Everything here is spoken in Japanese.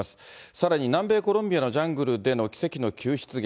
さらに南米コロンビアのジャングルでの奇跡の救出劇。